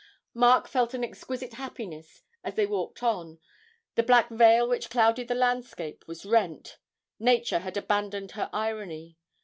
Mark felt an exquisite happiness as they walked on; the black veil which clouded the landscape was rent. Nature had abandoned her irony.